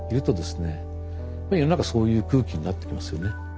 世の中そういう空気になってきますよね。